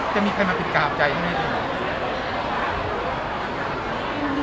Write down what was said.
จะมีใครมาปิดกราบใจไหม